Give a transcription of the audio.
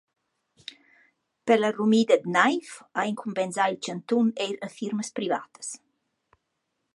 Per la rumida d’naiv ha incumbenzà il chantun eir a firmas privatas.